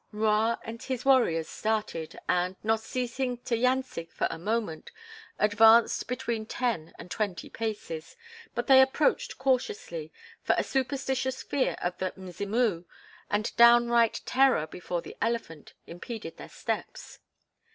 '" M'Rua and his warriors started and, not ceasing to "yancig" for a moment, advanced between ten and twenty paces, but they approached cautiously, for a superstitious fear of the "Mzimu" and downright terror before the elephant impeded their steps.